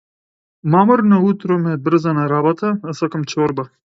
Мамурно утро ме брза на работа, а сакам чорба.